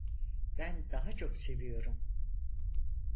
Ben daha çok seviyorum.